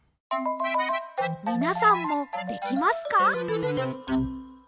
みなさんもできますか？